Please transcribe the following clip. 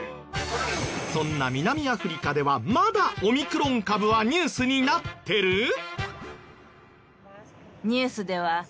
そんな南アフリカではまだオミクロン株はニュースになってる？